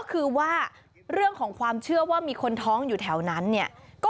คือว่าเรื่องของความเชื่อว่ามีคนท้องอยู่แถวนั้นเนี่ย